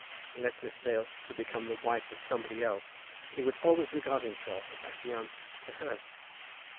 Unless Miss Dale should become the wife of somebody else, he would always regard himself as affianced to her.